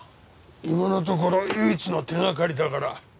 今のところ唯一の手掛かりだから。